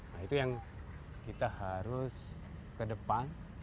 nah itu yang kita harus ke depan